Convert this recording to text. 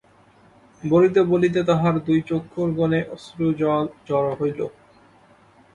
বলিতে বলিতে তাঁহার দুই চক্ষুর কোণে অশ্রুজল জড়ো হইল।